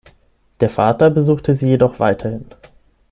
Der Vater besuchte sie jedoch weiterhin.